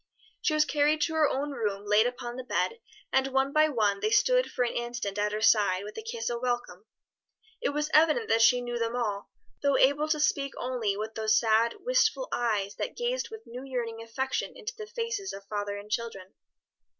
She was carried to her own room, laid upon the bed, and one by one they stood for an instant at her side with a kiss of welcome. It was evident that she knew them all, though able to speak only with those sad, wistful eyes that gazed with new yearning affection into the faces of father and children.